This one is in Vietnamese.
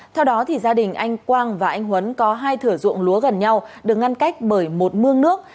theo đó gia đình anh quang và anh huấn có hai thửa ruộng lúa gần nhau được ngăn cách bởi một mương nước